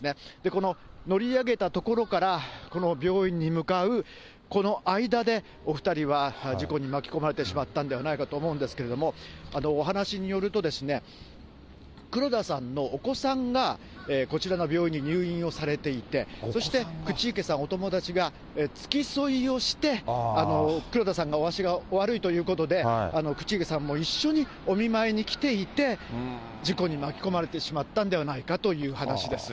この乗り上げた所から、この病院に向かう、この間で、お２人は事故に巻き込まれてしまったんではないかと思うんですけれども、お話によると、黒田さんのお子さんが、こちらの病院に入院をされていて、そして口池さん、お友達が付き添いをして、黒田さんがお足がお悪いということで、口池さんも一緒にお見舞いに来ていて、事故に巻き込まれてしまったんではないかという話です。